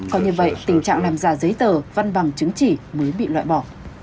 còn như vậy tình trạng làm giả giấy tờ văn bằng chứng chỉ mới bị loại bỏ